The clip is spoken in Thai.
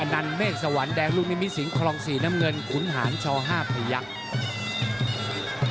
นันเมฆสวรรค์แดงลูกนิมิตสิงคลองสีน้ำเงินขุนหารช๕พยักษ์